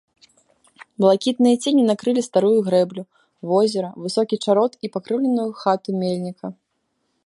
Блакітныя цені накрылі старую грэблю, возера, высокі чарот і пакрыўленую хату мельніка.